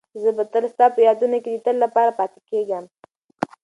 زه به تل ستا په یادونو کې د تل لپاره پاتې کېږم.